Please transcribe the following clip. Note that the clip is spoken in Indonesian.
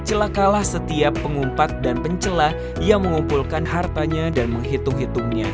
celakalah setiap pengumpat dan pencela yang mengumpulkan hartanya dan menghitung hitungnya